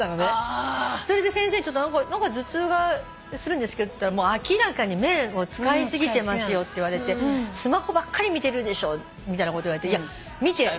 それで先生何か頭痛がするんですけどって言ったら「明らかに目を使い過ぎてますよ」って言われて「スマホばっかり見てるでしょ？」みたいなこと言われていや見てない。